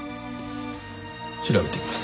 調べてみます。